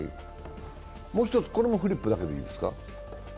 もう１つ、これもフリップだけでいいですか？